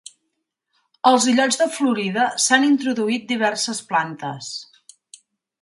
Als illots de Florida s'han introduït diverses plantes.